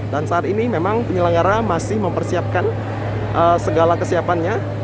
dan saat ini memang penyelenggara masih mempersiapkan segala kesiapannya